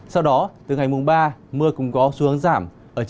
sau đó từ ngày mùng ba mưa cũng có xu hướng giảm